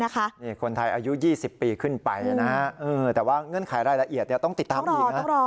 คนไทยอายุ๒๐ปีขึ้นไปแต่ว่าเงื่อนไขรายละเอียดต้องติดตามอีกนะ